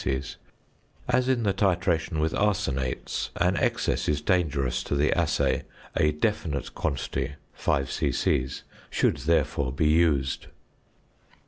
5 " As in the titration with arsenates, an excess is dangerous to the assay; a definite quantity (5 c.c.) should, therefore, be used.